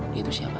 dia tuh siapa